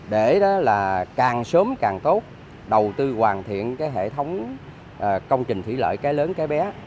để càng sớm càng tốt đầu tư hoàn thiện hệ thống công trình thủy lợi cái lớn cái bé